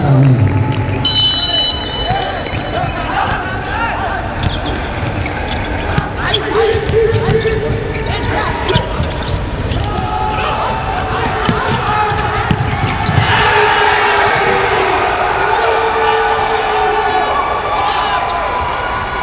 สวัสดีครับทุกคน